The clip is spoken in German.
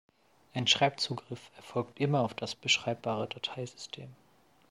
Ein Schreibzugriff erfolgt immer auf das beschreibbare Dateisystem.